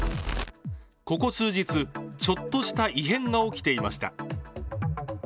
ここ数日、ちょっとした異変が起きていました。